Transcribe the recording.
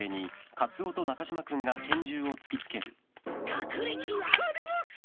学歴は？あります！